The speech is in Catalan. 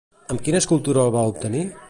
Amb quina escultura el va obtenir?